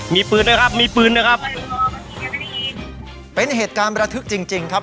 มีปืนด้วยครับมีปืนด้วยครับเป็นเหตุการณ์ประทึกจริงจริงครับ